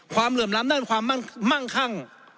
เหลื่อมล้ำด้านความมั่งคั่ง